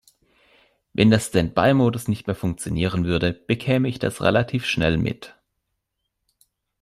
Wenn der Standby-Modus nicht mehr funktionieren würde, bekäme ich das relativ schnell mit.